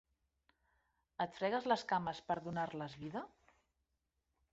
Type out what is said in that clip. Et fregues les cames per donar-les vida?